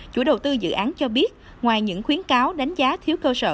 chủ đầu tư dự án cho biết ngoài những khuyến cáo đánh giá thiếu cơ sở